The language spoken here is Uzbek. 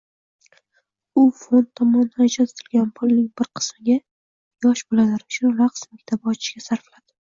U fond tomonidan ajratilgan pulning bir qismiga yosh bolalar uchun raqs maktabi ochishga sarfladi